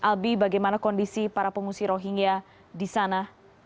albi bagaimana kondisi para pengungsi rohingya di sana